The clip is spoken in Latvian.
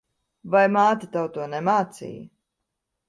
Vai māte tev to nemācīja?